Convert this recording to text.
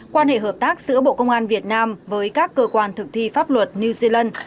quan hệ hợp tác giữa bộ công an việt nam với các cơ quan thực thi pháp luật new zealand